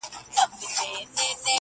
او قریب دي د رقیب د کور سړی سي،